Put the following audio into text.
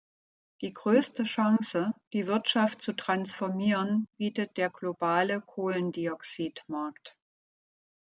Die größte Chance, die Wirtschaft zu transformieren, bietet der globale Kohlendioxidmarkt.